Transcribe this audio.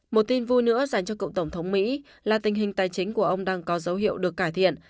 một tin vui nữa dành cho cựu tổng thống mỹ là tình hình tài chính của ông đang có dấu hiệu được cải thiện